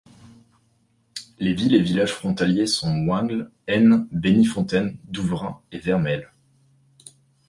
Les villes et villages frontaliers sont Wingles, Haisnes, Bénifontaine, Douvrin et Vermelles.